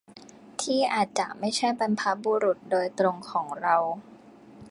ที่อาจจะไม่ใช่บรรพบุรุษโดยตรงของเรา